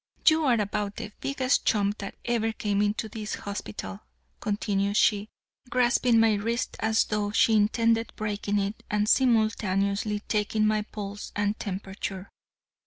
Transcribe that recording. "You are about the biggest chump that ever came into this hospital," continued she, grasping my wrist as though she intended breaking it and simultaneously taking my pulse and temperature.